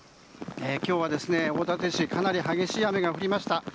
今日は大館市かなり激しい雨が降りました。